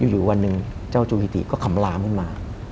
อยู่วันหนึ่งเจ้าจูฮิติก็ขำลามขึ้นมา